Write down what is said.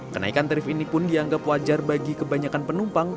kenaikan tarif ini pun dianggap wajar bagi kebanyakan penumpang